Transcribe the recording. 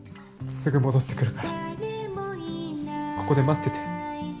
すぐ戻ってくるからここで待ってて。